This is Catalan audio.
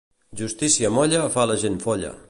Justícia molla fa la gent folla.